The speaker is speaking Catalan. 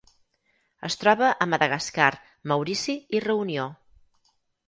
Es troba a Madagascar, Maurici i Reunió.